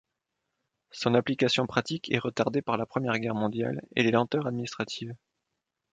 Son application pratique est retardée par la première Guerre Mondiale et les lenteurs administratives.